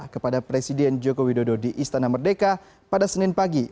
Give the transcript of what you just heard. kepada presiden joko widodo di istana merdeka pada senin pagi